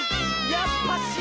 やっぱし。